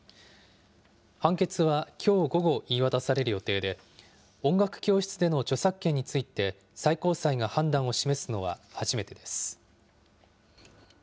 判決はきょう午後言い渡される予定で、音楽教室での著作権について、最高裁が判断を示すのは初めてです。